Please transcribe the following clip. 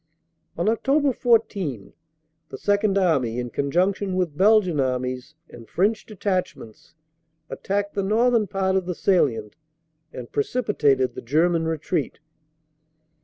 On Oct. 14 the Second Army, in conjunction with Belgian Armies and French Detachments, attacked the northern part of tbe salient and precipitated the German retreat."